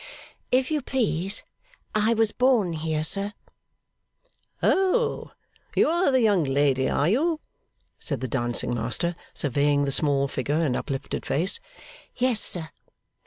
'If you please, I was born here, sir.' 'Oh! You are the young lady, are you?' said the dancing master, surveying the small figure and uplifted face. 'Yes, sir.